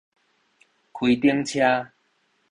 開頂車